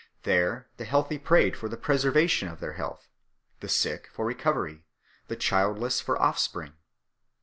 There the healthy prayed for the preservation of their health, the sick for recovery, the childless for offspring.